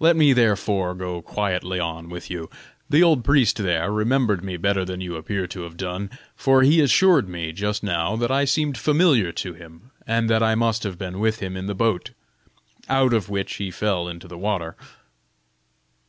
Let me therefore go quietly on with you; the old priest there remembered me better than you appear to have done, for he assured me just now that I seemed familiar to him, and that I must have been with him in the boat, out of which he fell into the water.